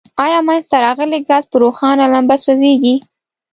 آیا منځ ته راغلی ګاز په روښانه لمبه سوځیږي؟